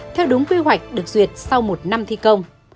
theo đúng quy hoạch được duyệt sau một năm thi công